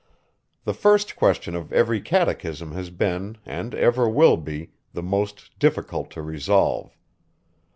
The first question of every catechism has been, and ever will be, the most difficult to resolve.